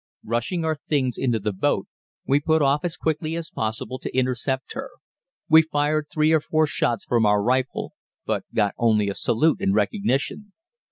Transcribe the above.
Rushing our things into the boat, we put off as quickly as possible to intercept her. We fired three or four shots from our rifle, but got only a salute in recognition.